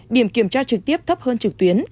điểm kiểm tra trực tiếp thấp hơn trực tuyến